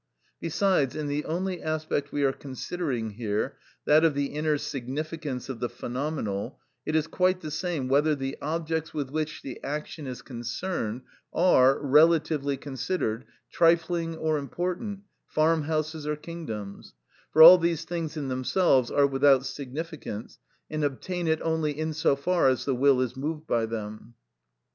Besides, in the only aspect we are considering here, that of the inner significance of the phenomenal, it is quite the same whether the objects with which the action is concerned, are, relatively considered, trifling or important, farm houses or kingdoms: for all these things in themselves are without significance, and obtain it only in so far as the will is moved by them.